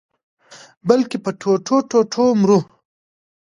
بلکي په ټوټو-ټوټو مرو